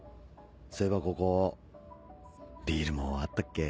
そういえばここビールもあったっけ？